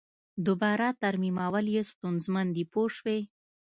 دوباره ترمیمول یې ستونزمن دي پوه شوې!.